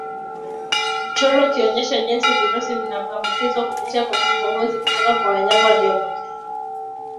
Mchoro Ukionyesha jinsi virusi vinavyoambukizwa kupitia kwa kikohozi kutoka kwa wanyama walioambukizwa